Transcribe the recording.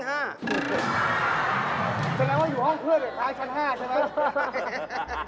แสดงว่าอยู่ห้องเพื่อนท้ายชั้น๕ใช่ไหม